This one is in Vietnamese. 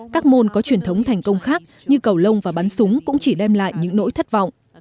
các môn có truyền thống thành công khác như cầu lông và bắn súng cũng chỉ đem lại những nỗi thất vọng